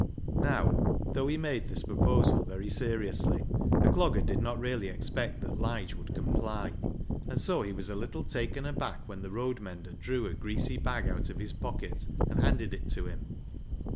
Now, though he made this proposal very seriously, the Clogger did not really expect that Lige would comply ; and so he was a little taken aback when the road mender drew a greasy bag out of his pocket and handed it to him.